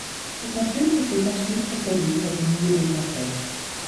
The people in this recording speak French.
Ces peintures étaient ensuite reproduites à des milliers d'exemplaires.